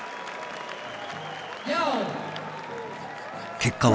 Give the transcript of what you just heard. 結果は。